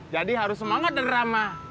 jadi harus semangat dan ramah